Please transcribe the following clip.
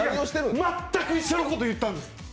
全く一緒のこと言ったんです。